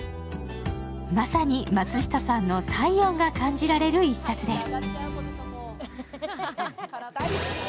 まさに松下さんの体温が感じられる一冊です。